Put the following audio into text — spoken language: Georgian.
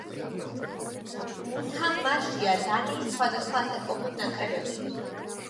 უთამაშია დანიის სხვადასხვა ასაკობრივ ნაკრებებში.